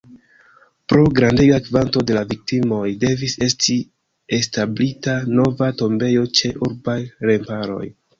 Pro grandega kvanto de la viktimoj devis esti establita nova tombejo ĉe urbaj remparoj.